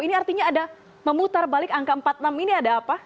ini artinya ada memutar balik angka empat puluh enam ini ada apa